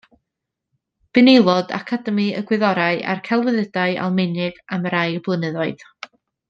Bu'n aelod o Academi y Gwyddorau a'r Celfyddydau Almaeneg am rai blynyddoedd.